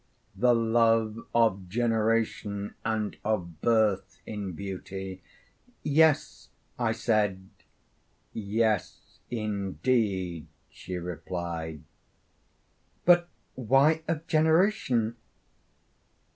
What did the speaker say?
'The love of generation and of birth in beauty.' 'Yes,' I said. 'Yes, indeed,' she replied. 'But why of generation?'